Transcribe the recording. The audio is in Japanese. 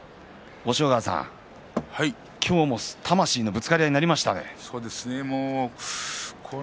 押尾川さん魂のぶつかり合いになりましたね。